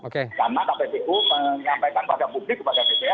karena kpu pu menyampaikan kepada publik kepada ppr